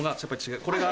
これが。